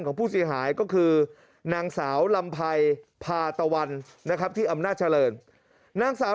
ของผู้เสียหายก็คือนางสาวลำไพรพาตะวันนะครับที่อำนาจเจริญนางสาว